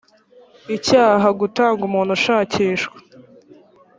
icyaha ugutanga umuntu ushakishwa